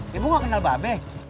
ya bu gak kenal bab